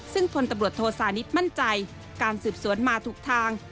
ซึ่งพลตำรวจโทษานิทมั่นใจการสืบสวนมาถูกทาง